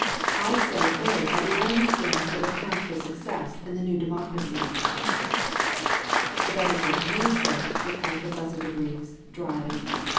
I say they are the only things that will count for success in the new democ racy." "That is what you say/* replied Professor De Vries dryly.